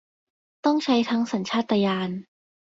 ต้องใช้ทั้งสัญชาตญาณ